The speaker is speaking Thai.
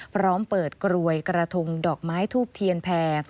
พร้อมเปิดกรวยกระทงดอกไม้ทูบเทียนแพร่